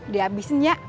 di abisin ya